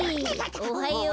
おはよう。